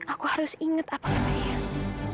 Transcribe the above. aku harus inget apa kata aeyang